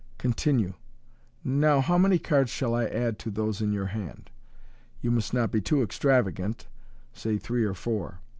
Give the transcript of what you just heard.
Continue, " Now how many cards shall I add to those in your hand ? You must not be too extravagant, say three or four."